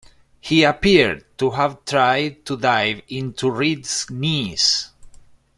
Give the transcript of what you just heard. He appeared to have tried to dive into Reed's knees.